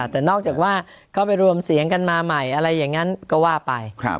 แต่นอกจากว่าก็ไปรวมเสียงกันมาใหม่อะไรอย่างนั้นก็ว่าไป